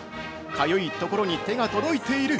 かゆいところに手が届いている」